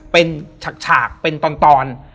เป็นฉากเป็นตอน